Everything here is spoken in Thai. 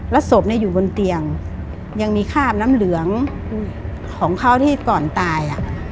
ศพอยู่บนเตียงยังมีคราบน้ำเหลืองของเขาที่ก่อนตาย